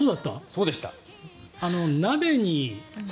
鍋に。